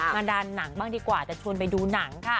มาดันหนังบ้างดีกว่าจะชวนไปดูหนังค่ะ